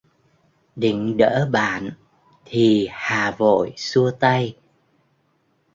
Định đỡ bạn thì Hà vội xua tay